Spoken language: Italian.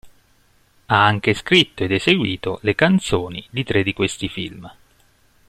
Ha anche scritto ed eseguito le canzoni di tre di questi film.